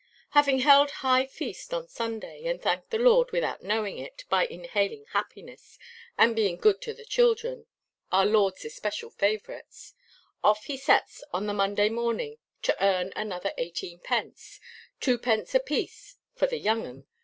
Having held high feast on Sunday, and thanked the Lord, without knowing it (by inhaling happiness, and being good to the children—our Lordʼs especial favourites), off he sets on the Monday morning, to earn another eighteenpence—twopence apiece for the young uns.